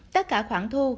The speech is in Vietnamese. tất cả khoản thu chi phải